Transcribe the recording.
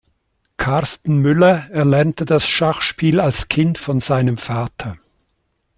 Karsten Müller erlernte das Schachspiel als Kind von seinem Vater.